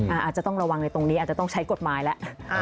อาจจะต้องระวังในตรงนี้อาจจะต้องใช้กฎหมายแล้ว